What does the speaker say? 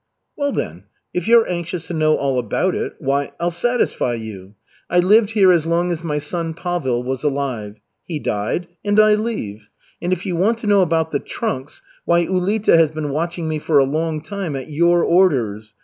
"Well, then, if you're anxious to know all about it, why, I'll satisfy you. I lived here as long as my son Pavel was alive. He died and I leave. And if you want to know about the trunks, why, Ulita has been watching me for a long time at your orders.